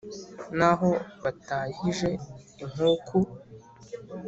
Naho batahije inkuku;